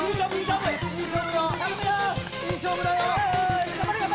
いい勝負だよ。